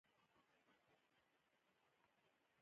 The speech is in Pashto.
مطلقه یا ځانګړې اجاره یو بل ډول دی